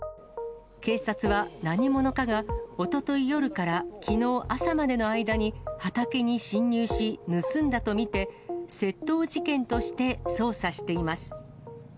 警察は何者かがおととい夜からきのう朝までの間に畑に侵入し、盗んだと見て、窃盗事件として捜査しています。